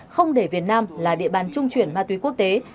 không để việt nam là địa bàn trung chuyển ma túy quốc tế